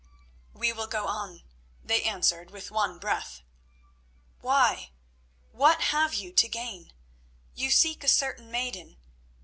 "We will go on," they answered with one breath. "Why? What have you to gain? You seek a certain maiden.